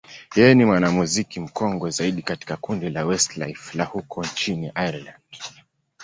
yeye ni mwanamuziki mkongwe zaidi katika kundi la Westlife la huko nchini Ireland.